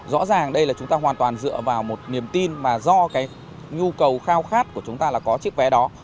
rõ ràng đây là chúng ta hoàn toàn dựa vào một niềm tin mà do cái nhu cầu khao khát của chúng ta là có chiếc vé đó